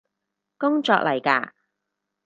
工作嚟嘎？